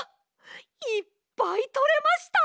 いっぱいとれました！